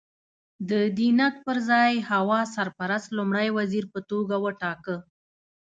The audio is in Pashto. د دینګ پر ځای هوا سرپرست لومړی وزیر په توګه وټاکه.